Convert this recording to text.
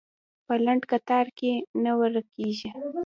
په لنډ کتار کې نه ورکېږي.